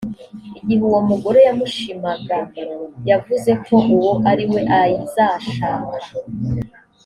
igihe uwo mugore yamushimaga yavuze ko uwo ariwe azashaka